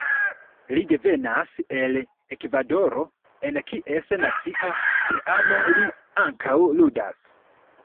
Li devenas el Ekvadoro, en kies nacia teamo li ankaŭ ludas.